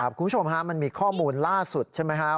คุณผู้ชมฮะมันมีข้อมูลล่าสุดใช่ไหมครับ